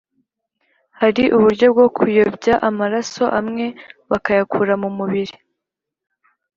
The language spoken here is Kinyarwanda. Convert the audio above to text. Hari uburyo bwo kuyobya amaraso amwe bakayakura mu mubiri